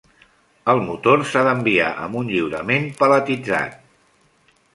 El motor s'ha d'enviar amb un lliurament paletitzat.